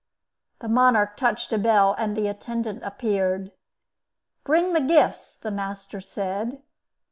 The monarch touched a bell, and the attendant appeared. "Bring the gifts," the master said.